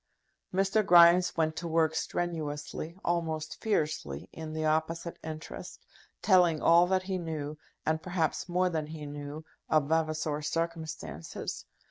Mr. Grimes went to work strenuously, almost fiercely, in the opposite interest, telling all that he knew, and perhaps more than he knew, of Vavasor's circumstances.